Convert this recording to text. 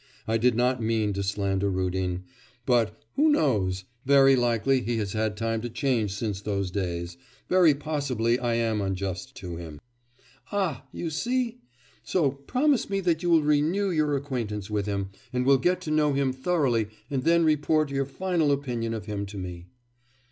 I did not mean to slander Rudin; but who knows! very likely he has had time to change since those days very possibly I am unjust to him.' 'Ah! you see. So promise me that you will renew your acquaintance with him, and will get to know him thoroughly and then report your final opinion of him to me.